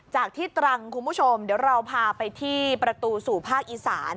จากที่ตรังคุณผู้ชมเดี๋ยวเราพาไปที่ประตูสู่ภาคอีสาน